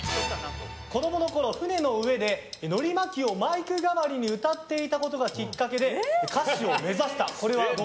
子供のころ、船の上でのり巻きをマイク代わりに歌っていたことがきっかけで歌手を目指した。